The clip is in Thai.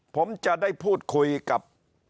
ผมจะได้พูดคุยกับ